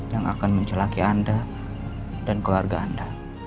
yang akan mencelaki anda dan keluarga anda